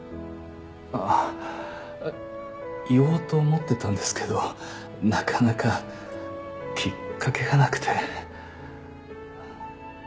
ああ言おうと思ってたんですけどなかなかきっかけがなくて。